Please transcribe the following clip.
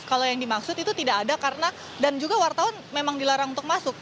kalau yang dimaksud itu tidak ada karena dan juga wartawan memang dilarang untuk masuk